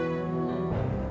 aku akan mencari angin bersamamu